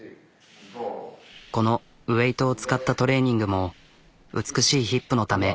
このウエートを使ったトレーニングも美しいヒップのため。